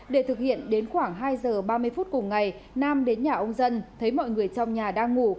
để thực hiện đến khoảng hai giờ ba mươi phút cùng ngày nam đến nhà ông dân thấy mọi người trong nhà đang ngủ